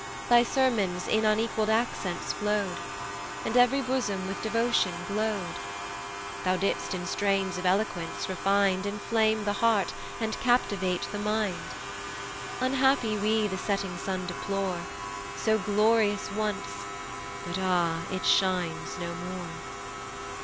Thy sermons in unequall'd accents flow'd, And ev'ry bosom with devotion glow'd; Thou didst in strains of eloquence refin'd Inflame the heart, and captivate the mind. Unhappy we the setting sun deplore, So glorious once, but ah! it shines no more.